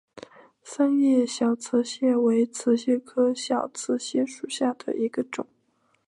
三叶小瓷蟹为瓷蟹科小瓷蟹属下的一个种。